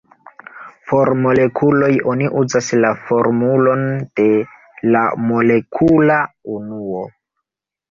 Por molekuloj, oni uzas la formulon de la molekula unuo.